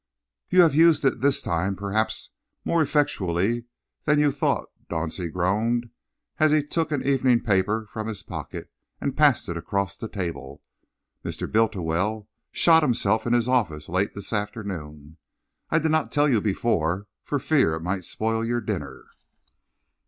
"You have used it this time perhaps even more effectually than you thought," Dauncey groaned, as he took an evening paper from his pocket and passed it across the table. "Mr. Bultiwell shot himself in his office, late this afternoon. I did not tell you before, for fear it might spoil your dinner."